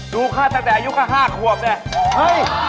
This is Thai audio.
ดูฆ่าตั้งแต่อายุกระห้าครวบนี่